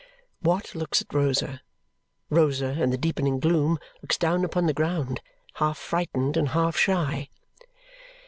'" Watt looks at Rosa. Rosa in the deepening gloom looks down upon the ground, half frightened and half shy.